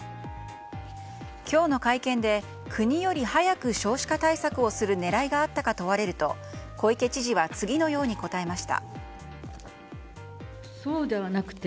今日の会見で、国より早く少子化対策をする狙いがあったか問われると小池知事は次のように答えました。